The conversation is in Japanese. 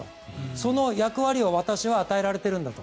その役割を私は与えられているんだと。